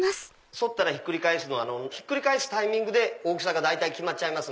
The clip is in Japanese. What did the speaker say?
反ったらひっくり返すのひっくり返すタイミングで大きさが大体決まっちゃいます。